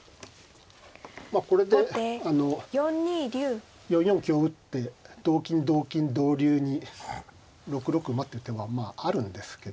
まあこれであの４四香打って同金同金同竜に６六馬っていう手はまああるんですけど。